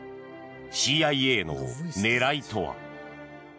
ＣＩＡの狙いとは。